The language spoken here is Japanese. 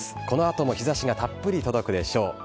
このあとも日ざしがたっぷり届くでしょう。